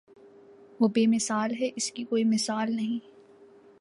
وہ بے مثال ہے اس کی کوئی مثال نہیں